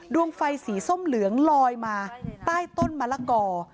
ดวงไฟสีส้มเหลืองลอยมาใต้ต้นมะละกอ